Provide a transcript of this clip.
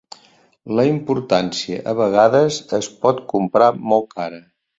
La importància a vegades es pot comprar molt cara.